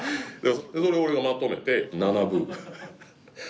それを俺がまとめて。